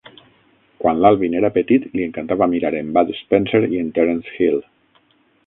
Quan l'Alvin era petit, li encantava mirar en Bud Spencer i en Terence Hill.